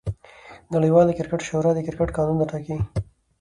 نړۍواله کرکټ شورا د کرکټ قانونونه ټاکي.